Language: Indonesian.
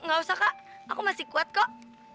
gak usah kak aku masih kuat kok